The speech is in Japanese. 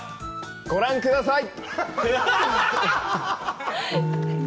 ご覧ください！